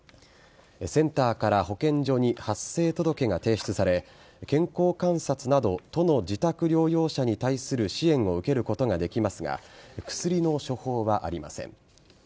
センターから保健所に発生届が提出され健康観察など都の自宅療養者に対する支援を受けることができますが薬の処方はありません。